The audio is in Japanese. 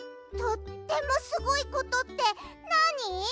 とってもすごいことってなに？